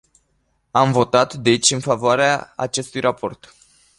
Am votat deci în favoarea acestui raport.